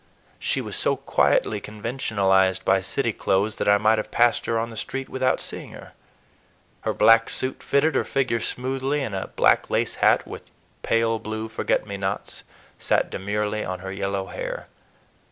She was so quietly conventionalized by city clothes that I might have passed her on the street without seeing her. Her black suit fitted her figure smoothly, and a black lace hat, with pale blue forget me nots, sat demurely on her yellow hair.